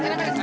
gak ada beres